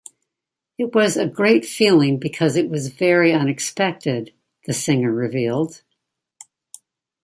It was a great feeling because it was very unexpected, the singer revealed.